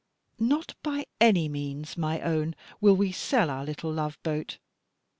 "Not by any means, my own, will we sell our little love boat.